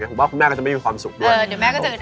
ผมว่าคุณแม่ก็จะไม่มีความสุขด้วย